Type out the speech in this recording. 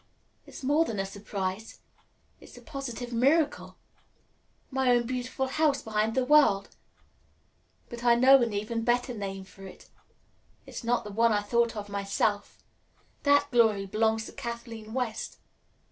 It's more than a surprise. It's a positive miracle. My own beautiful House Behind the World! But I know an even better name for it. It's not one I thought of myself. That glory belongs to Kathleen West.